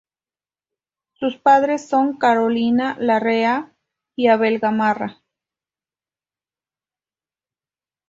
Sus padres son Carolina Larrea y Abel Gamarra.